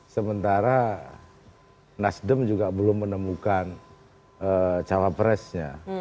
sementara nasdem juga belum menemukan cawapresnya